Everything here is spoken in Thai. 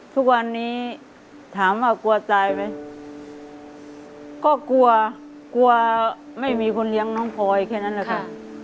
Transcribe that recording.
ทุกวันนี้ถามว่ากลัวตายไหมก็กลัวกลัวไม่มีคนเลี้ยงน้องพลอยแค่นั้นแหละค่ะ